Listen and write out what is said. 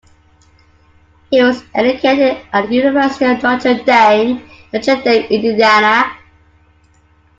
He was educated at the University of Notre Dame, in Notre Dame, Indiana.